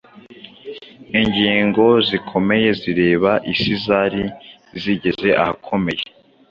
Ingingo zikomeye zireba isi zari zigeze ahakomeye.